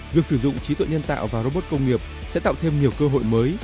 việc sử dụng trí tuệ nhân tạo và robot công nghiệp sẽ tạo thêm nhiều cơ hội mới